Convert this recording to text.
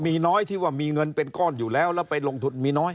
มีน้อยที่ว่ามีเงินเป็นก้อนอยู่แล้วแล้วไปลงทุนมีน้อย